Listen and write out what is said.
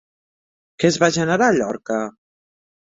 Què es va generar a Llorca?